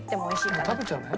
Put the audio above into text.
食べちゃうね。